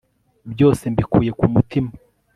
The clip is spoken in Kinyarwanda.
byose mbikuye ku mutima